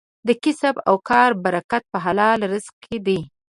د کسب او کار برکت په حلال رزق کې دی.